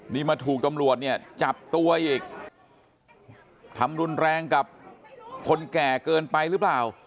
นี่มาถูกตำรวจเนี่ยจับตัวอีกทำรุนแรงกับคนแก่เกินไปหรือเปล่า